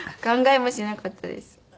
考えもしなかったです。